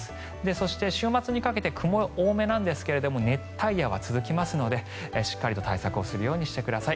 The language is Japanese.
そして、週末にかけて曇り、多めなんですが熱帯夜は続きますのでしっかりと対策をするようにしてください。